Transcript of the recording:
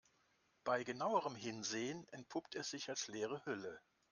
Bei genauerem Hinsehen entpuppt es sich als leere Hülle.